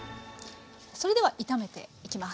それでは炒めていきます。